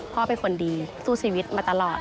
พ่อเป็นคนดีสู้ชีวิตมาตลอด